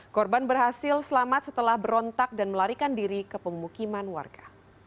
korban berhasil selamat setelah berontak dan melarikan diri ke pemukiman warga